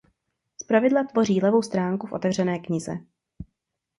Zpravidla tvoří levou stránku v otevřené knize.